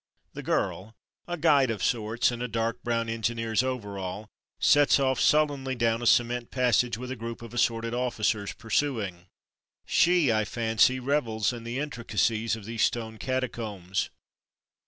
'' The girl — a guide of sorts in a dark brown engineer's overall — sets off sullenly down a cement passage with a group of assorted officers pursuing. She, I fancy, revels in the intri cacies of these stone catacombs.